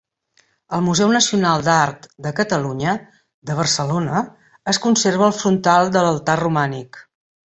Al Museu Nacional d'Art de Catalunya, de Barcelona, es conserva el frontal de l'altar romànic.